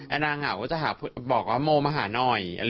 นางเหงาก็จะบอกว่าโมมาหาหน่อย